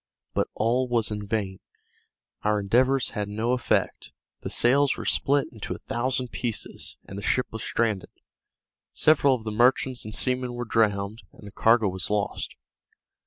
But all was in vain; our endeavors had no effect; the sails were split into a thousand pieces, and the ship was stranded; several of the merchants and seamen were drowned, and the cargo was lost.